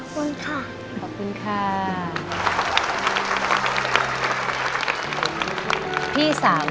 ขอบคุณค่ะ